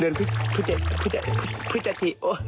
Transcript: เดินพุทธจิ